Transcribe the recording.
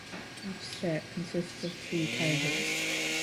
Each set consists of three carriages.